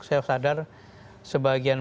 saya sadar sebagian